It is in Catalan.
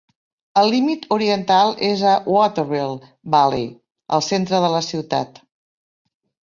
El límit oriental és a Waterville Valley, al centre de la ciutat.